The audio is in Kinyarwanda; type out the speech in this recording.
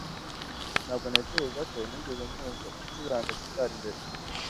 Ntabwo ntekereza ko nigeze numva ucuranga gitari mbere